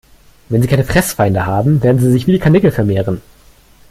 Wenn sie keine Fressfeinde haben, werden sie sich wie die Karnickel vermehren.